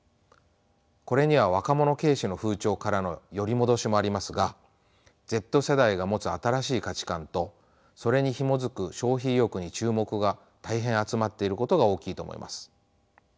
これには若者軽視の風潮からのよりもどしもありますがＺ世代が持つ新しい価値観とそれにひもづく消費意欲に注目が大変集まっていることが大きいと思います。